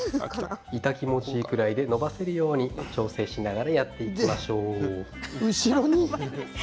痛気持ちいいくらいで伸ばせるように調整しながらやっていきましょう。